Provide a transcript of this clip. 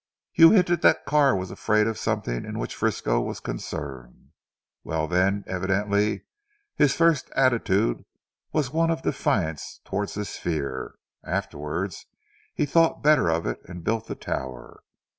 You hinted that Carr was afraid of something in which Frisco was concerned. Well then; evidently his first attitude was one of defiance towards this fear. Afterwards he thought better of it and built the tower.